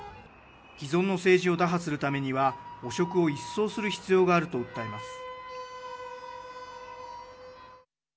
既存の政治を打破するためには汚職を一掃する必要があると訴えます。